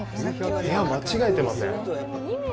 部屋間違えてません？